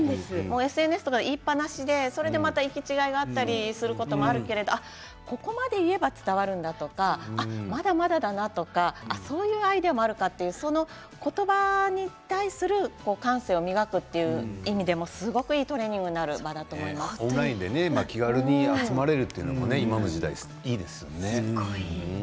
ＳＮＳとか言いっぱなしで行き違いになったりすることがあるけど、ここまで言えば伝わるんだとかまだまだだなとかそういうアイデアもあるんだとか言葉に対する感性を磨くという意味でもすごくいいトレーニングオンラインで気軽に集まれるというのも今の時代いいですよね。